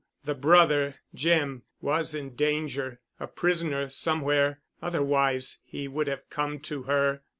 The brother—Jim—was in danger—a prisoner somewhere—otherwise he would have come to her.